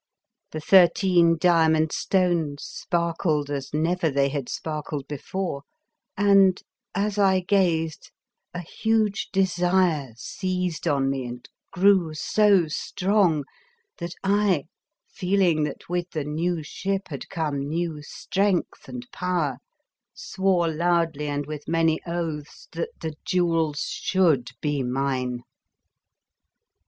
The thirteen diamond stones sparkled as never they had sparkled before, and, as I gazed, a huge desire seized on me and grew so strong that I, feeling that with the new ship had come new strength and power, swore loudly and with many oaths that the jewels should be mine.